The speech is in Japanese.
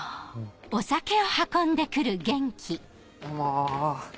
どうも。